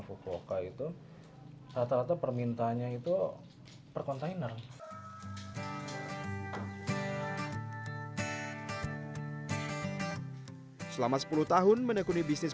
fukuoka itu rata rata permintanya itu per kontainer selama sepuluh tahun menekuni bisnis